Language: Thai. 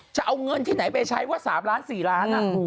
จะเอาเงินที่ไหนไปใช้ว่า๓ล้าน๔ล้าน